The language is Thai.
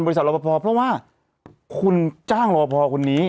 บริษัทรัวร์พอเพราะว่าคุณจ้างรัวพอคนนี้